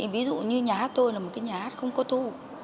ví dụ như nhà hát tôi là một cái nhà hát không có thu